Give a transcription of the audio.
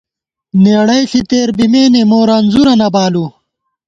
نېڑَئی ݪی تېر بِمېنےمو رنځُورہ نہ بالُؤ